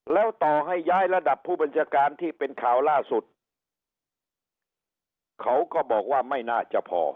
แล้วต่อให้ย้ายระดับผู้บัญชาการที่เป็นข่าวล่าสุดเขาก็บอกว่าไม่น่าจะพอ